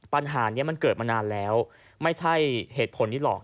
ปัญหานี้มันเกิดมานานแล้วไม่ใช่เหตุผลนี้หรอก